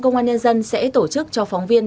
công an nhân dân sẽ tổ chức cho phóng viên